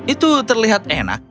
itu terlihat enak